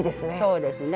そうですね。